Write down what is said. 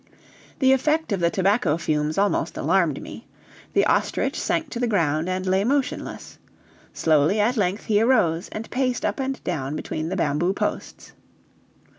The effect of the tobacco fumes almost alarmed me. The ostrich sank to the ground and lay motionless. Slowly, at length, he arose, and paced up and down between the bamboo posts.